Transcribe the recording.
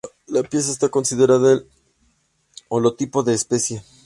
La pieza está considerada el holotipo de la especie.